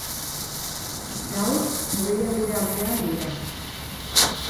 Gaur, hodeiak gure artean dira.